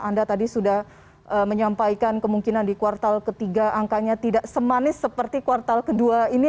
anda tadi sudah menyampaikan kemungkinan di kuartal ketiga angkanya tidak semanis seperti kuartal kedua ini